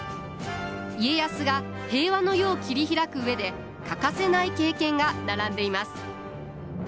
家康が平和の世を切り開く上で欠かせない経験が並んでいます。